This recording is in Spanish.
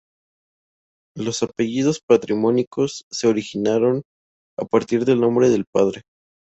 Los apellidos patronímicos se originaron a partir del nombre del padre.